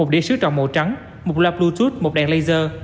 một đĩa sứ tròn màu trắng một loa bluetooth một đèn laser